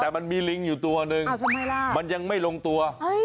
แต่มันมีลิงอยู่ตัวหนึ่งมันยังไม่ลงตัว